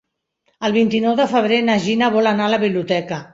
El vint-i-nou de febrer na Gina vol anar a la biblioteca.